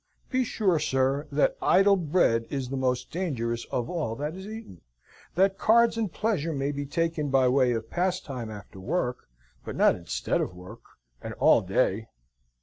Be sure, sir, that idle bread is the most dangerous of all that is eaten; that cards and pleasure may be taken by way of pastime after work, but not instead of work, and all day.